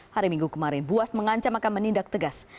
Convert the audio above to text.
hari minggu kemarin buas mengancam akan menindak tegas